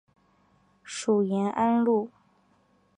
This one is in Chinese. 属延安路。